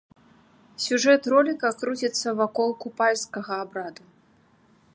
Сюжэт роліка круціцца вакол купальскага абраду.